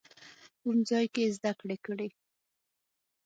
کوم ځای کې یې زده کړې کړي؟